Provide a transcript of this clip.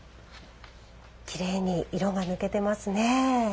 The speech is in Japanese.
きれいに色が抜けてますね。